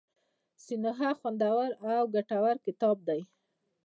سینوهه خوندور او ګټور کتاب دی.